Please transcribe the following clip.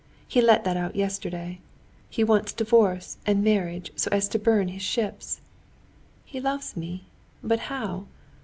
He let that out yesterday—he wants divorce and marriage so as to burn his ships. He loves me, but how?